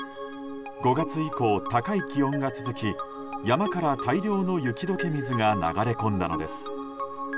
５月以降、高い気温が続き山から大量の雪解け水が流れ込んだのです。